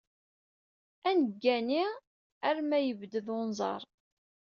Ad neggani arma yebded unẓar.